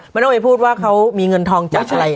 ไม่ต้องไปพูดว่าเขามีเงินทองจากอะไร